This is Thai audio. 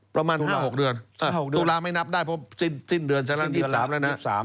ประมาณ๕๖เดือนตุลาไม่นับได้เพราะสิ้นเดือนฉะนั้น๒๓แล้วนะ